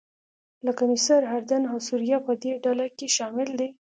لکه مصر، اردن او سوریه په دې ډله کې شامل دي.